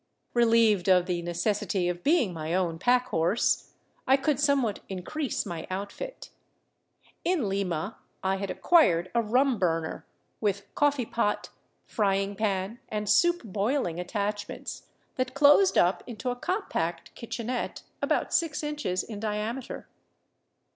Relieved of the necessity of being my own packhorse, I could somewhat increase my outfit. In Lima I had acquired a rum burner, with coffee pot, frying pan, and soup boiling attachments that closed up into a compact kitchenette about six inches in diameter.